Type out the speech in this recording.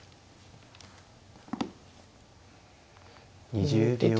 ２０秒。